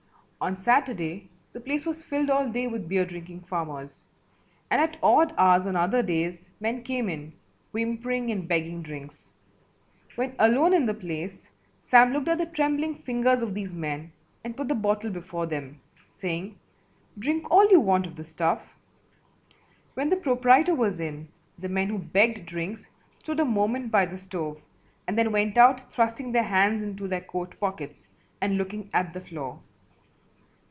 On Saturday the place was filled all day with beer drinking farmers, and at odd hours on other days men came in, whimpering and begging drinks. When alone in the place, Sam looked at the trembling fingers of these men and put the bottle before them, saying, "Drink all you want of the stuff." When the proprietor was in, the men who begged drinks stood a moment by the stove and then went out thrusting their hands into their coat pockets and looking at the floor.